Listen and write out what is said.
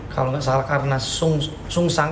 kalau nggak salah karena sungsang